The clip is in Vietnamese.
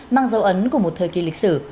mang dấu ấn của một thời kỳ lịch sử